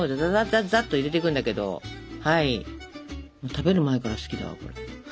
食べる前から好きだわこれ。